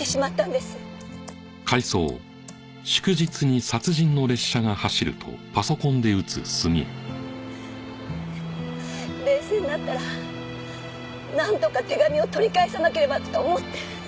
でも冷静になったらなんとか手紙を取り返さなければと思って。